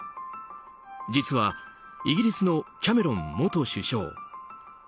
実はイギリスのキャメロン元首相。